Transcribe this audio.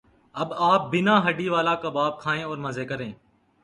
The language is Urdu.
اب آپ بینا ہڈی والا کباب کھائیں اور مزے کریں